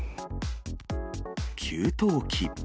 給湯器。